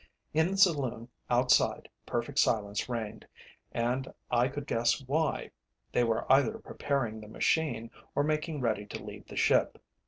In the saloon outside perfect silence reigned, and I could guess why they were either preparing the machine, or making ready to leave the ship.